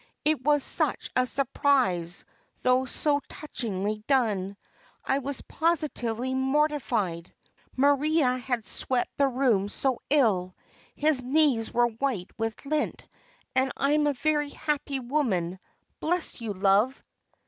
It was such a surprise, though so touchingly done. I was positively mortified; Maria had swept the room so ill, his knees were white with lint, and I'm a very happy woman, bless you, love!"